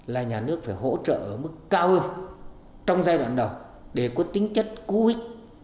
là nhà nước phải hỗ trợ ở mức cao hơn trong giai đoạn đầu để có tính chất cú hích